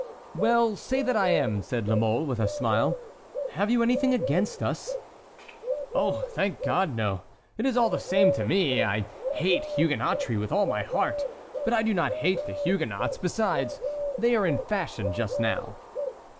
"Well, say that I am," said La Mole, with a smile, "have you anything against us?" "Oh! thank God, no! It is all the same to me. I hate Huguenotry with all my heart, but I do not hate the Huguenots; besides, they are in fashion just now."